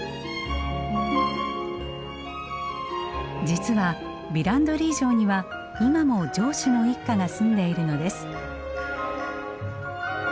実はヴィランドリー城には今も城主の一家が住んでいるのです。